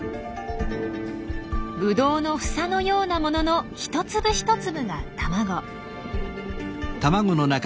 ブドウの房のようなものの一粒一粒が卵。